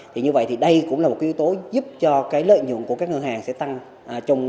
thì như vậy thì đây cũng là một cái yếu tố giúp cho cái lợi nhuận của các ngân hàng sẽ tăng